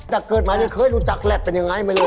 แต่เกิดมาไม่เคยรู้จักแรดเป็นอย่างไรไม่รู้